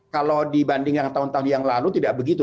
kalau dibandingkan tahun tahun yang lalu tidak begitu